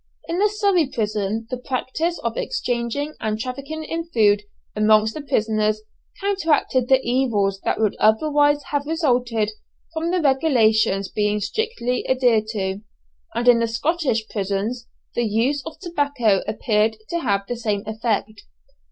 In the Surrey prison the practice of exchanging and trafficking in food amongst the prisoners counteracted the evils that would otherwise have resulted from the regulations being strictly adhered to; and in the Scottish prisons the use of tobacco appeared to have the same effect.